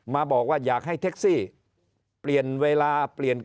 มาบอกว่าอยากให้เท็กซี่